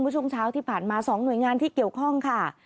ช่วงเช้าที่ผ่านมา๒หน่วยงานที่เกี่ยวข้องค่ะ